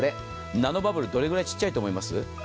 ナノバブル、どれくらい小さいと思いますか？